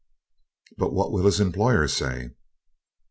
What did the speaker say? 'But what will his employer say?'